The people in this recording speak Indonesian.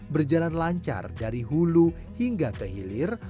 berjalan lancar dari hulu hingga kehilir